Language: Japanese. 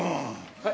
はい。